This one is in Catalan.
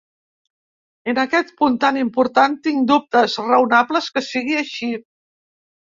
En aquest punt tan important, tinc dubtes raonables que sigui així.